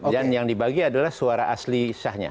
dan yang dibagi adalah suara asli sahnya